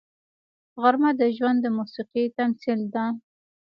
غرمه د ژوند د موسیقۍ تمثیل ده